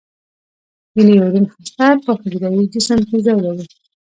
د نیورون هسته په حجروي جسم کې ځای لري.